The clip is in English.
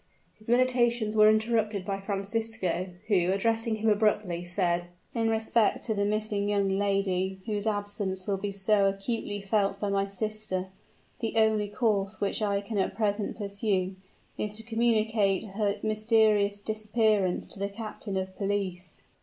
His meditations were interrupted by Francisco, who, addressing him abruptly, said, "In respect to the missing young lady, whose absence will be so acutely felt by my sister, the only course which I can at present pursue, is to communicate her mysterious disappearance to the captain of police."